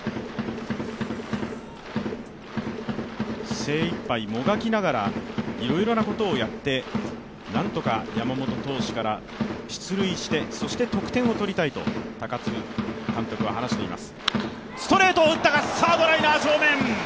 精いっぱいもがきながらいろいろなことをやってなんとか山本投手から出塁してそして得点を取りたいと高津監督は話しています。